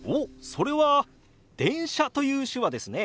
それは「電車」という手話ですね。